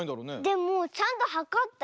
でもちゃんとはかったよ。